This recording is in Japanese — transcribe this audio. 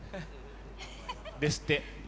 ですって。